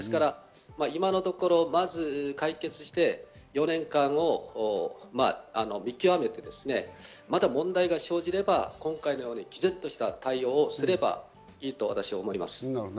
今のところ、まず解決して、４年間を見極めて、また問題が生じれば、今回のように毅然とした対応をすればいいと私は思います。